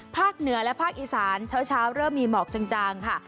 เหนือและภาคอีสานเช้าเริ่มมีหมอกจางค่ะ